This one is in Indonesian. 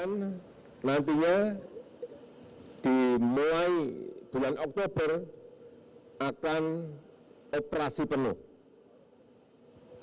nantinya di mulai bulan oktober akan operasi penuh